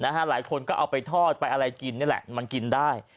หลายคนก็เอาไปทอดไปอะไรกินมันกินได้